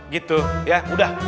gitu ya udah